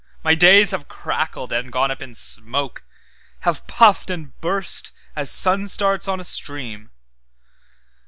My days have crackled and gone up in smoke, Have puffed and burst as sun starts on a stream.